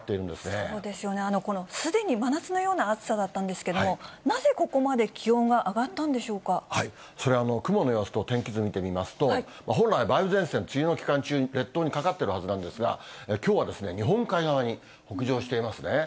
もうすでに真夏のような暑さだったんですけれども、なぜ、ここまそれは雲の様子と天気図見てみますと、本来、梅雨前線、梅雨の期間中、列島にかかってるはずなんですが、きょうは日本海側に北上していますね。